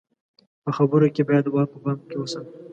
په خبرو کې بايد وار په پام کې وساتو.